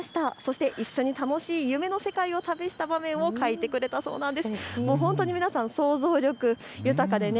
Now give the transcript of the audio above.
そして一緒に楽しい夢の世界を旅した場面を描いてくれたそうなんです。